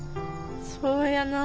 そうやなあ。